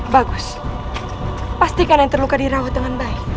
bagus pastikan yang terluka dirawat dengan baik